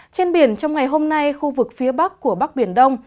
trên biển trong ngày hôm nay khu vực phía bắc của bắc biển đông